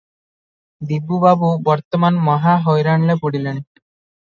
ଦିବୁବାବୁ ବର୍ତ୍ତମାନ ମହା ହଇରାଣରେ ପଡିଲେଣି ।